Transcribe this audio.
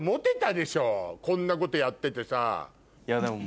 こんなことやっててさ。